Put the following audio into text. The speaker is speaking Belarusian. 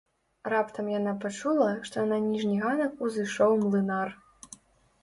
Раптам яна пачула, што на ніжні ганак узышоў млынар.